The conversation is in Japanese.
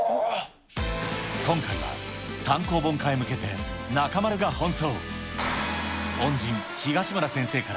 今回は単行本化へ向けて、中丸が奔走。